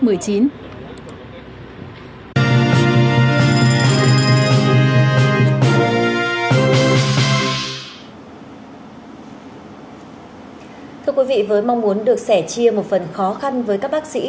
thưa quý vị với mong muốn được sẻ chia một phần khó khăn với các bác sĩ